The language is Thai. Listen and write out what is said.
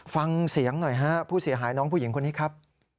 ฟังเสียงหน่อยฮะผู้เสียหายน้องผู้หญิงคนนี้ครับ